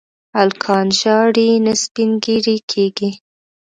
هلکان ژاړي نه، سپين ږيري کيږي.